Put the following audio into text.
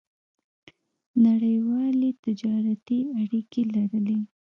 نړیوالې تجارتي اړیکې لرلې.